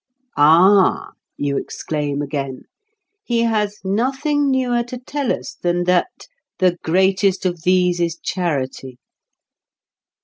"Ah!" you exclaim again, "he has nothing newer to tell us than that 'the greatest of these is charity'!"